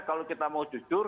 kalau kita mau jujur